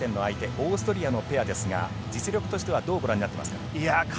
オーストリアのペアですが実力としてはどうご覧になっていますか？